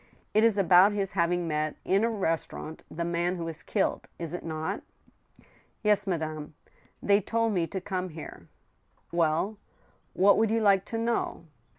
It is about his having met in a restaurant the man who was killed, is it not ?"" Yes, madame. ... They told me to come here," " Well— rwhat would you like to know